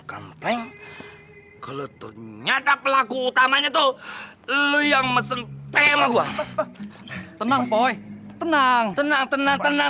kalau ternyata pelaku utamanya tuh lu yang mesej pt go tenang poi tenang tenang tenang tenang tenang